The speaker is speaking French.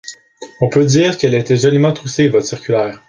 On peut dire qu’elle était joliment troussée, votre circulaire !